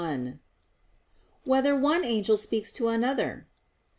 1] Whether One Angel Speaks to Another?